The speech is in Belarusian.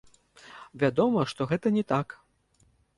Вядома, што гэта не так.